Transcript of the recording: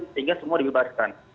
sehingga semua dibebaskan